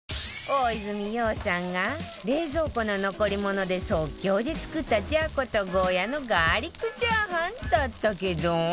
大泉洋さんが冷蔵庫の残り物で即興で作ったじゃことゴーヤのガーリックチャーハンだったけど